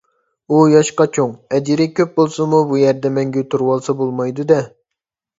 ئۇ ياشقا چوڭ، ئەجرى كۆپ بولسىمۇ، بۇ يەردە مەڭگۈ تۇرۇۋالسا بولمايدۇ - دە.